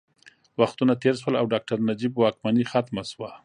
وختونه تېر شول او ډاکټر نجیب واکمني ختمه شوه